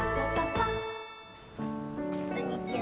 こんにちは。